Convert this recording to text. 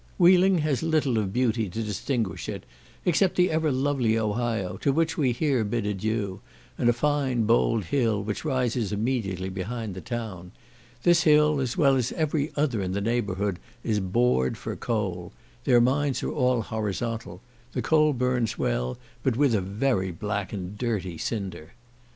Wheeling has little of beauty to distinguish it, except the ever lovely Ohio, to which we here bid adieu, and a fine bold hill, which rises immediately behind the town. This hill, as well as every other in the neighbourhood, is bored for coal. Their mines are all horizontal. The coal burns well, but with a very black and dirty cinder.